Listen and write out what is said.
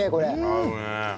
合うね。